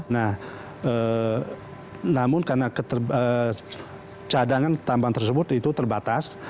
nah namun karena cadangan tambang tersebut itu terbatas